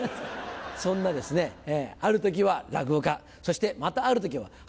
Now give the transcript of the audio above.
そんなですねある時は落語家そしてまたある時は俳優。